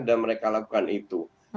dan mereka lakukan itu